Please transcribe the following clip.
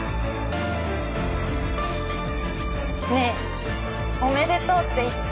ねえおめでとうって言って。